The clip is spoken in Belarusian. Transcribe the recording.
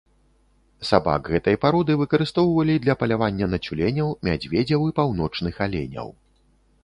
Сабак гэтай пароды выкарыстоўвалі для палявання на цюленяў, мядзведзяў і паўночных аленяў.